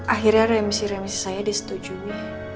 akhirnya remisi remisi saya disetujui